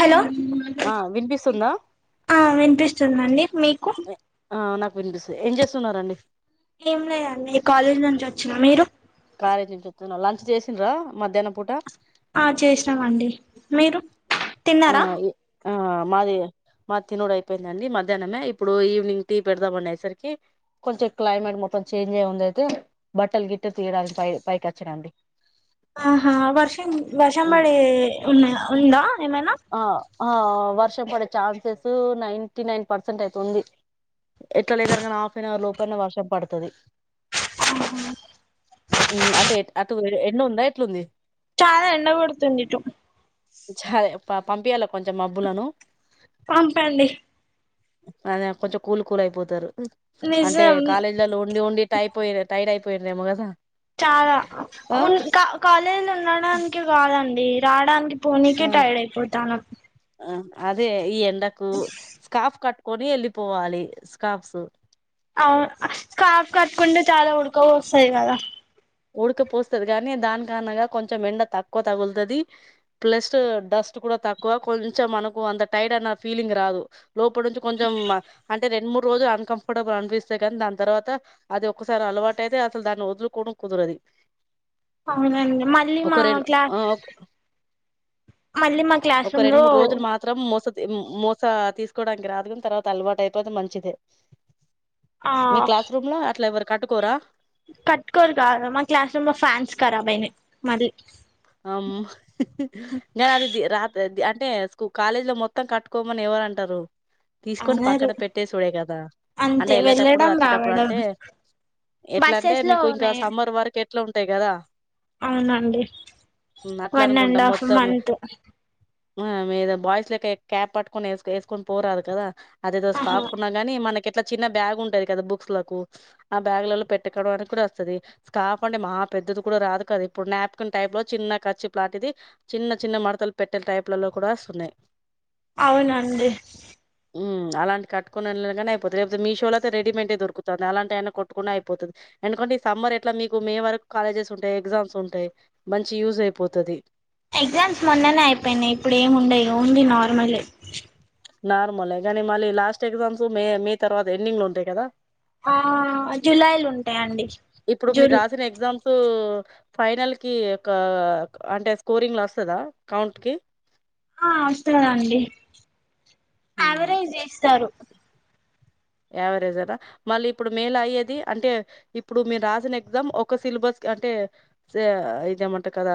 Hello ఆ వినిపిస్తుందా ఆ వినిపిస్తుందండి మీకు వినిపిస్తే ఏం చేస్తున్నారండి ఏం లేదండి కాలేజీ నుంచి వచ్చినా మీరు కాలేజ్ నుంచి వస్తున్నారు లంచ్ చేసిండ్రా మధ్యాహ్న పూట ఆ చేసినాం అండి మీరు ఆ తిన్నారా ఇ ఆ మాది మా తినుడు అయిపోయిందండి మధ్యాహ్నమే ఇప్పుడు ఈవినింగ్ టీ పెడదామనేసరికి కొంచెం క్లైమేట్ మొత్తం చేంజ్ అయ్యి ఉంది అయితే బట్టలు గిట్ట తీయడానికి పై పైకి వచ్చినాండి ఆహా వర్షం వర్ష ఉమ్. పడే ఉన్నా ఉందా ఏమైనా ఆ ఆ వర్షం పడే ఛాన్సెస్ నైన్టీ నైన్ పర్సెంట్ అయితే ఉంది ఎట్లా లేదు అనగానీ హాఫ్ అన్ అవర్ లోపు అన్న వర్షం పడతది అహా హ్మ్ అటెట్ అటు ఎండ ఉందా ఎట్లుంది చాల ఎండ గొడుతుంది ఇటు ప పంపియాల కొంచెం మబ్బులను పంపండి అద కొంచెం కూల్ కూల్ అయిపోతారు అంటే నిజం కాలేజీలలో ఉండి ఉండి టైపోయి టైడ్ అయిపో పోయిన్రెమో కదా చాలా ఆ ఉన్ క కాలేజ్లో ఉండడానికి కాదండి రాడానికి ఆ పోనీకే టైర్డ్ అయ్పోతాను అదే ఈ ఎండకు స్కార్ఫ్ కట్టుకొని ఎళ్లిపోవాలి స్కార్ఫ్సు అ స్కార్ఫ్ కట్టుకుంటే చాలా ఉడక పోస్తతది కదా ఉడకపోస్తది కానీ దాని కారణంగా కొంచెం ఎండ తక్కువ తగులుతది ప్లస్ డస్ట్ కూడా తక్కువ కొంచెం మనకు అంత టైడ్ అన్న ఫీలింగ్ రాదు లోపల నుంచి కొంచెం అంటే రెండు మూడ్ రోజు అన్కంఫర్టబుల్ అనిపిస్తయి కానీ దాని తర్వాత అది ఒకసారి అలవాటు అయితే అసలు దాన్ని వదులు కొ కుదరది అవునండి మళ్ళీ ఒక మా రెండు ఆ క్లాస్ మళ్ళీ మా క్లాస్ ఒక రూమ్ రెండు లో మూడు రోజులు మాత్రం మోస మోసా తీస్కోవడానికి రాదు కాని తర్వాత అలవాటు అయిపోతే మంచిదే ఆ మీ క్లాస్ రూమ్ లో అట్లా ఎవరు కట్టుకోరా కట్టుకోరు కాదు మా క్లాస్ రూమ్ లో ఫ్యాన్స్ కరాబ్ అయినాయ్ మళ్ళీ అమ్ గాన అదిది రాతెది అట్ అంటే స్కూ కాలేజ్ లో మొత్తం కట్టుకోమని ఎవరు అంటారు తీస్కొని అనరు పక్కన పెట్టే సుడే కదా అంటే అంతే ఎళ్ళేటప్పుడు వెళ్ళడం వచ్చేటప్పుడు రావడం అంటే ఎట్లా అంటే బస్సెస్ లో మీకు ఇంకా ఉన్నాయి సమ్మర్ వరకు ఎట్లా ఉంటాయ్ కదా అవునండి అట్లా వన్ అండ్ అనుకుంటాం హాఫ్ మొత్తం మంత్ మీద బాయ్స్ లెక్క క్యాప్ పట్టుకోని వ వేసుకొని పోరాదు కదా అదేదో ఆహా స్కాఫ్ ఉన్నా గాని మనకి ఎట్లా చిన్న బ్యాగ్ ఉంటది కదా బుక్స్ లకు ఆ బ్యాగు్లలో పెట్టుకోవడం అని కూడా వస్తుంది స్కాఫ్ అంటే మా పెద్దది కూడా రాదు కదా ఇప్పుడు నాప్కిన్ టైప్ లో చిన్న ఖర్చిప్లాంటిది చిన్న చిన్న మడతలు పెట్టే టైప్లలో కూడా వస్తున్నాయి అవునండి అలాంటికట్టుకునీ వెళ్ళిన అయిపోతుంది లేకపోతే మీషోలో అతే రెడీమేట్ డి దొరుకుతుంది అలాంటి అయినా కొట్టుకుంనే అయిపోతది ఎందుకంటే ఈ సమ్మర్ ఎట్లా మీకు మే వరకు కాలేజెస్ ఉంటాయి ఎగ్జామ్స్ ఉంటాయి మంచి యూజ్ అయిపోతది ఎగ్జామ్స్ మొన్ననే అయిపోయినాయి ఇప్పుడు ఏముండయి ఓన్లీ నార్మలే నార్మలే గానీ మళ్ళీ లాస్ట్ ఎగ్జామ్స్ మే మే తర్వాత ఎండింగ్ లో ఉంటాయ్ కదా ఆ జులైలో ఉంటాయండి ఇప్పుడు మీరు జూన్ రాసిన ఎగ్జామ్స్ ఫైనల్ కి అంటే స్కోరింగ్ లో వస్తుందా కౌంట్ కి ఆ వస్తదండి ఆవరైజ్ చేస్తారు యావరేజ్ ఆ రా మళ్ళీ ఇప్పుడు మే లో అయ్యేది అంటే ఇప్పుడు మీరు రాసిన ఎగ్జామ్ ఒక సిలబస్ క అంటే స ఇదేమంటారు కదా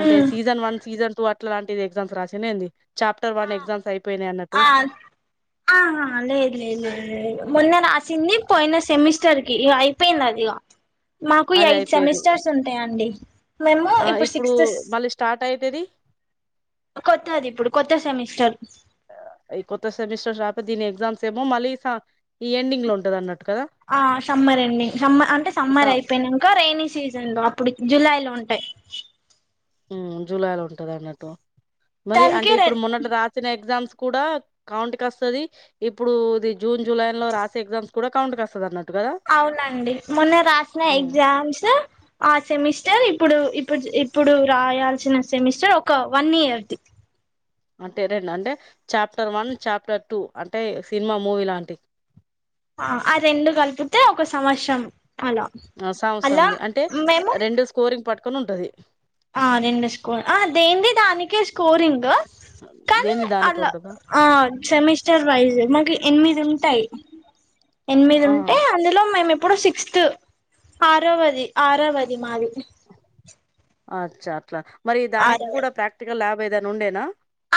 అంటే um season one season two అట్లాంటిది ఎగ్జామ్స్ రాసిన్న ఏంది చాప్టర్ వన్ ఎగ్జామ్స్ అయిపోయినాయి అన్నట్టు ఆ ఆహా లేదు లేదు మొన్న రాసింది పోయిన సెమిస్టర్ కి ఇగ అయిపోయింది అది ఇగ మాకు అది ఎయిట్ అయిపోయింది సెమిస్టర్స్ ఉంటాయండి మేము ఆ ఇప్పుడు సిక్స్త్ మళ్లీ స్టార్ట్ అయితది కొత్తది ఇప్పుడు కొత్త సెమిస్టర్ ఈ కొత్త సెమిస్టర్ రాక దీని ఎగ్జామ్స్ ఏమో మళ్లీ స ఈ ఎండింగ్ లో ఉంటది అన్నట్టు కదా ఆ సమ్మర్ ఎండింగ్ సమ్మ అంటే స సమ్మర్ అయిపోయినాంక రెనీ సీజన్ లో అప్పుడు జూలై లో ఉంటాయి మ్ జూలై లో ఉంటది అన్నట్టు మరి దానికి అంటే రె ఇప్పుడు మొన్నటి రాసిన ఎగ్జామ్స్ కూడా కౌంట్ కస్తది ఇప్పుడు ఇది జూన్ జులై లో రాసే ఎగ్జామ్స్ కూడా కౌంట్ కస్తది అన్నట్టు కదా అవునండి మొన్న రాసిన ఉమ్, ఎగ్జామ్స్ ఆ సెమి స్టర్ ఇప్పుడు ఇప్పు ఇప్పుడు రాయాల్సిన సెమిస్టర్ ఒక వన్ ఇయర్ది అంటే రెండు అంటే చాప్టర్ వన్ చాప్టర్ టూ అంటే సినిమా మూవీ లాంటి అయితే ఒక సంవత్సరం అలా ఆ అలా సంవత్సరంది అంటే మేము రెండు స్కోరింగ్ పట్టుకొని ఉంటది ఆ రెండు స్కోర్ ఆ దేనిది దానికే స్కోరింగ్ కానీ దేంది దానికి అలా ఉంటదా ఆ సెమిస్టర్ వైజ్ మాకి ఎనిమిది ఉంటాయి ఎనిమిది ఆ ఉంటే అందులో మేము ఇ ప్పుడు సిక్స్త్ ఆరవది ఆరవది మాది అచ్చ అట్లా మరి దానికి ఆరవది కూడా ప్రాక్టికల్ ల్యాబ్ ఏదైనా ఉండేనా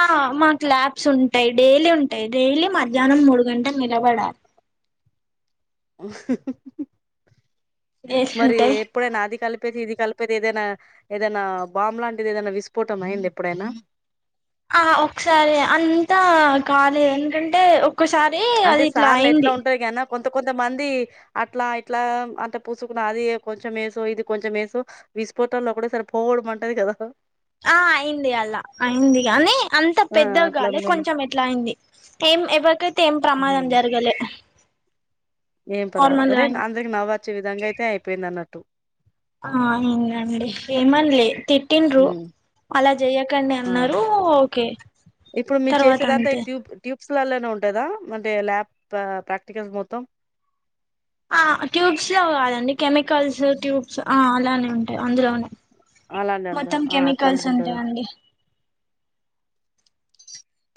ఆ మాకు ల్యాబ్స్ ఉంటాయి డైలీ ఉంటాయి డైలీ మధ్యాహ్నం మూడు గంటలు నిలబడాలి మరి ఏసుంటాయి ఎప్పుడైనా అది కలిపేసి ఇది కలిపేది ఏదైనా ఏదైనా బాంబ్ లాంటిది ఏదైనా విస్ఫోటం అయిందా ఎప్పుడైనా ఆ ఒకసారి అంతా కాలేదు ఎందుకంటే ఒ క్కసారి అంటే అది ఇట్లా సార్లు ఎట్లా అయింది ఉంటది కనా కొంత కొంత మంది అట్లా ఇట్లా అంట పూసుకున్న అది కొంచెం ఏసో ఇది కొంచెం ఏసో విస్ఫోటాల్లో ఒకటే సారి పోడం మంటది కదా ఆ అయింది అల్లా అయింది గాని అంత ఆ అట్లా పెద్దగాలే అనుకోని కొంచెం ఎట్లా అయింది ఏం ఎవరికైతే ఏం ప్రమాదం జరగలే ఏం పర్వాల నార్మల్ గా అరే అయింది అందరికి నవ్వాచ్చె విధంగా అయితే అయిపోయింది అన్నట్టు ఆ ఇంగా అండి ఏమన్లే తిట్టిండ్రు అలా చెయ్యాకండి ఆ అన్నారు ఓకే ఇప్పుడు మీరు తర్వాత చేసేదంతా ఈ అంతే ట్యూబ్ ట్యూబ్స్ లల్ల నే ఉంటందా అంటే ల్యాబ్ ప్రా ప్రాక్టికల్స్ మొత్తం ఆ ట్యూబ్స్ లో కాదండి కెమికల్స్ ట్యూబ్స్ ఆ అలానే ఉంటాయి అందులోనే అలానే అంద మొత్తం అట్లా కెమికల్స్ ఉంటాయి అనుకుంటదా అండి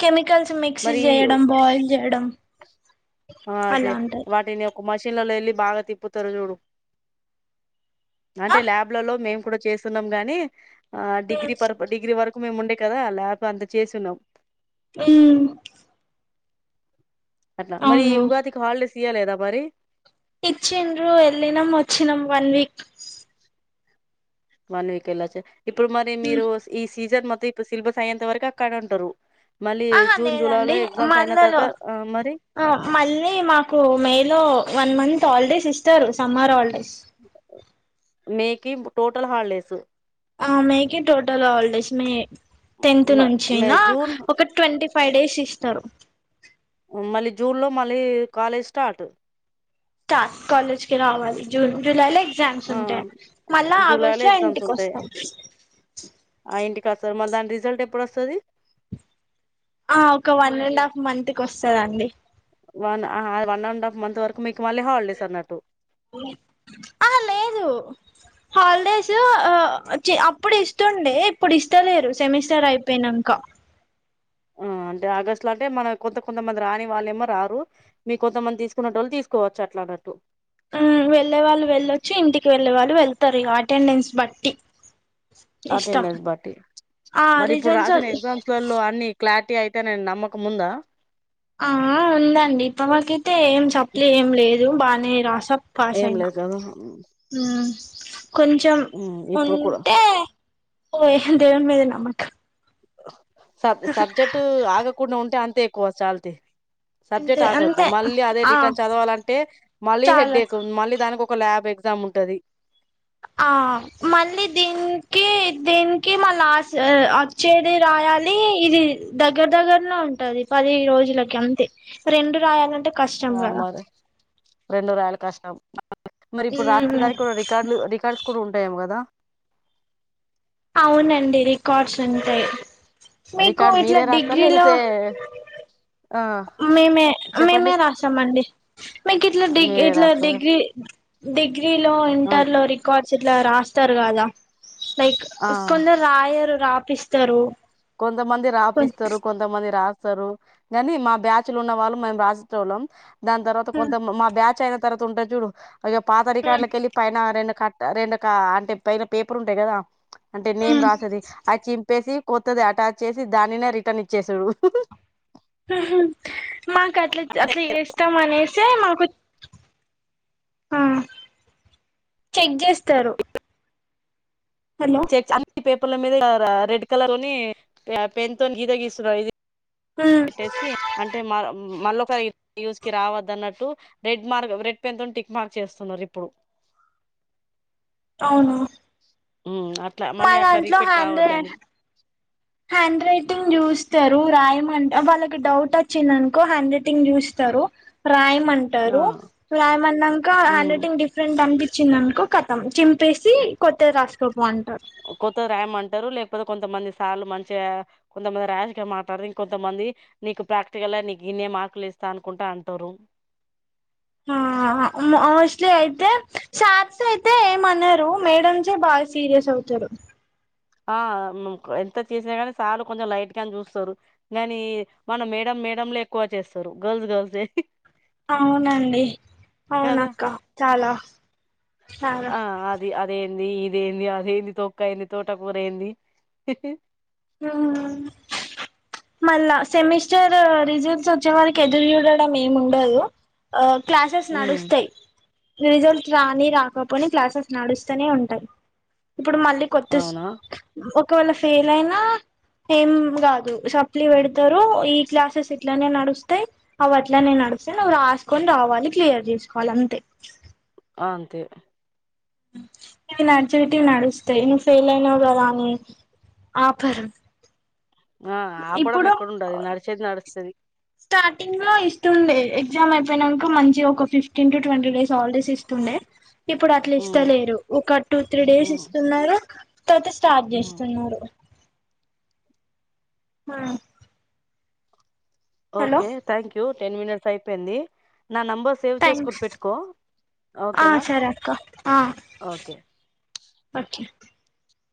కెమి కల్స్ మిక్సీ మరి చేయడం బాయిల్ చేయడం ఆ! అదే అలా ఉంటాది వాటిని ఒక మషిన్లలో వెళ్లి బాగా తిప్పుతారు చూడు ఆ అంటే ల్యాబ్ల్లో మేం అప్పుడు చేసివున్నాం కాని ఆ డిగ్రీ పర్ డిగ్రీ వరకు మేము ఉండే కదా ల్యాబ్ అంత చేసిన్నాం [unintelligible] అట్లా మరి అవును ఉగాదికి హాలిడేస్ ఇయ్యాలేదా మరి ఇచ్చిండ్రు ఎళ్లినం వచ్చినం వన్ వీక్ వన్ వీక్ ఎళ్లోచ్చిరా ఇప్పుడు మరి మీరు ఈ సీజన్ మొ త్తం ఇప్పుడు సిలబస్ అయ్యేంత వరకు అక్కడనే ఉంటరు మళ్లీ ఆహా జూన్ జూలై లేదండి లో ఎగ్జామ్స్ అయిన మళ్ళలో తర్వాత ఆ మరి ఆ మళ్లీ మాకు మేలో వన్ మంత్ హాలిడేస్ ఇస్తారు సమ్మర్ హాలిడేస్ నేకి టోటల్ హాలిడేస్ మకి టోటల్ ఆల్డేస్ మె టెన్త్ మ నుంచి మే అయినా జూన్ ఒక ట్వంటీ ఫైవ్ డేస్ ఇస్తారు మళ్ళీ జూన్లో మళ్ళీ కాలేజీ స్టార్ట్ స్టార్ కాలేజ్ కీ రావలై జూన్ జులైలో ఎగ్జామ్స్ ఆ ఉంటాయి మళ్ళా జూలైలో ఆగస్టు లో ఎగ్జామ్స్ ఇంటికి ఉంటాయి వస్తాయి స్తారు మరి దాని రిజల్ట్ ఎప్పుడొస్తుంది ఆ ఒక వన్ అండ్ హాఫ్ మంత్ కి వస్తదండి one one and half month వరకు మీకు కాల్ హాలిడేస్ అన్నట్టు ఆహా లేదు హాలిడేస్ అప్పుడు ఇస్తుండే ఇప్పుడు ఇస్తలేరు సెమిస్టర్ అయిపోయినాక హ్ అంటే ఆగస్టు లో అంటే మన కొంత కొంతమంది రాని వాళ్ళేమో రారు మీకు కొంతమంది తీసుకున్నోళ్ళు తీసుకోవచ్చు అట్లా బర్టు వెళ్ళే వాళ్ళు వెళ్ళొచ్చు ఇంటికి వెళ్ళే వాళ్ళు వెళ్తారు ఇ అటెండెన్స్ బట్టి ఇష్టం అటెండెన్స్ బట్టి ఆ మరి ఇప్పుడు రిజల్ట్స్ రాసిన ఎగ్జామ్స్ లో అన్ని క్లారి టి అయితేనే నమ్మక ముందా ఆ ఉందండి ఇప్ప మాకైతే ఏం సప్లే ఏం లేదు బాగానే రాస ఏం పాసైనా లేదు కదా హ్మ్ కొంచెం ఉమ్ ఇప్పుడు కూడా ఉంటే పో దేవుని మీద నమ్మక సబ్ సబ్జెక్ట్ ఆగకుండా ఉంటే అంతే ఎక్కువ చాలతి అంతే సబ్జెక్ట్ ఆకద్దు అంతే మళ్ళీ అదే ఆ రిటర్న్ చదవాలంటే మళ్ళీ చాలా హెడ్డేక్ మళ్ళీ దానికి ఒక ల్యాబ్ ఎగ్జామ్ ఉంటది ఆ మళ్ళీ దీనికి దీనికి మళ్ళ ఆస్ వచ్చేది రాయ లి ఇది దగ్గర దగ్గరలో ఉంటది పది రోజులకి అంతే రెండు రాయాలంటే కష్టం సా కదా మారు రెండు రయాలి కష్టం మరి ఇప్పుడు రాసే మ్మ్ దానికి కూడా రికార్డులు రికార్డ్స్ కూడా ఉంటాయేమో కదా అవునండి రికార్డ్స్ ఉంటాయి మీకు రికార్డు ఇట్లా మీరే రాస్తారా డిగ్రీలో లేకపోతే ఆ మేమే చెప్పండి మేమే రాసామండి మీకు ఇట్లా డిగీ మీరే ఇట్లా రాస్తారా డిగ్రీ డిగ్రీలో ఆ ఇంటర్ లో రికార్డ్స్ ఇలా రాస్త ఇస్తారు కదా లైక్ ఆ కొందరు రాయరు రాపిస్తారు కొంతమంది కొ రాపిస్తారు కొంతమంది రా కానీ మా బ్యాచ్లు ఉన్న వాళ్ళు మేము రాసిళ్ళం దాని తర్వాత మ్మ్ కొంత మా బ్యాచ్ అయినా తర్త ఉంటా చూడు అ పాత మ్మ్ అకాార్లకిళ్ళలి పైన క రెండ అంటే పైన పేపర్ ఉంటాయి కదా అంటే నేమ్ మ్మ్ రాసది అది చింపేసి వది అటాచ్ చేసి దానినే రిటర్న్ ఇచ్చేసేది ఉమ్ హు మాకు అట్లా అట్లా ఎస్తాం అనేసే మాకు ఆ చెక్ చేస్తారు హలో చెక్స్ అన్ని పేపర్ల మీద రెడ్ కలర్ తోని పెన్ తోనీ గీత గీస్తున్నా ఇది ఉమ్ పెట్టేసి అంటే మ మళ్ళ యూజ్ కి రావద్దదున్నట్టు రెడ్ మార్క్ రెడ్ పెన్ తో టిక్ మార్క్ చేస్తున్నారు ఇప్పుడు అవును ఉమ్ అట్లా మళ్ళీ అట్లా రిపీట్ కావద్దని హ్యాండ్ రైటింగ్ చూస్తారు రాయమంట వాళ్ళకి డౌట్ వచ్చిందనుకో హ్యాండ్ రైటింగ్ చూస్ తరు ఆ రాయిమంటారు రాయిమన్నంక హ్యాండ్ ఉమ్ రైటింగ్ డిఫరెంట్ అనిపించిందినుకో కతం చిమ్ ప్పేసి కొత్తది రాసుకోపో అంటరు పోతే కొంతమంది సార్లు మంచిగా కొంతమంది ర్యాష్ గా మాట్లాడ ఇం కొంతమంది నీకు ప్రాక్టికల్ గా నీ ఇన్నే మార్కులు ఏస్తా అనుకుంటా అంటారు ఆ మోస్ట్లీ అయితే సాత్ స్ అయితే ఏమనరు మేడమ్సే బాగా సీరియస్ అవుతారు ఆ ఎంత చేసినా కాని సార్ కొంచెం లైట్ గాని చూస్తారు కానీ మన మేడం మేడమ్ లే ఎక్కువ చేస్తారు గర్ల్స్ గర్ల్స్యే అవునండి కదా అవునక్క చాలా చాలా ఆ అది అదే ది ఇదేంది అదేంది తొక్క అయింది తోటకూర ఏంది ఉమ్ మళ్ళా సెమిస్టర్ రిజల్ట్స్ వచ్చే వరికి ఎదురు చూడడం ఏమిండదు ఆ క్లాసెస్ ఉమ్ నడుస్తాయ్ రిజల్ట్ రాని రాకపోని క్లాసెస్ నడుస్తూనే ఉంటాయి ఇప్పుడు మళ్ళీ కొత్త అవునా ఒకవేళ ఫెయిల్ అయిన ఏం కాదు సప్లీ పెడతరు ఈ క్లాసెస్ ఇట్లనే నడుస్తాయి అవి అట్లనే నడు సయ్ నువ్వు రాసుకొని రావాలి క్లియర్ చేసుకోవాలి అంతే అ అంతే ఇవి నడిచేటివి నడుస్తాయి నువ్వు ఫెయిల్ అయినావు కదా అని ఆపరు ఆ ఆపడం ఇప్పుడు ఎక్కడుండదు నడిచేది నడుస్తది స్టార్టింగ్ లో ఇస్తుండే ఎగ్జామ్ అయిపోయినంక మంచిగా ఒక fifteen to twenty days holidays ఇస్తుండే ఇప్పుడు అట్లా ఉమ్ ఇస్తలేరు ఒక టూ త్రీ డేస్ ఉమ్ ఇస్తున్నారు తర్వాత స్టార్ట్ ఉమ్ చేస్తున్నారు హా okay thank you ten minutes అయిపోయింది నా నెంబర్ సేవ్ చేసుకొని థ్యాంక్స్ పెట్టుకో ఆ ఓకేనా సరే అక్క ఆ ఓకే ఓకే